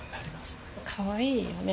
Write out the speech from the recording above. かわいいよね